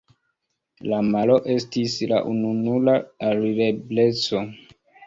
La maro estis la ununura alirebleco.